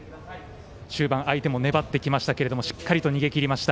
終盤、相手も粘ってきましたけどもしっかりと逃げきりました。